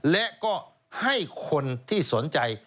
และก็ให้คนที่สนใจ